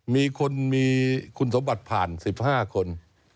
มีคนมีคุณสมบัติผ่าน๑๕คน